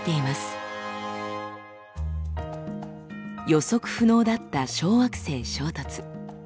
予測不能だった小惑星衝突。